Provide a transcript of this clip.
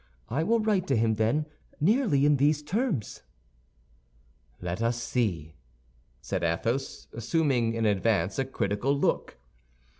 I will write to him, then, nearly in these terms." "Let us see," said Athos, assuming in advance a critical look.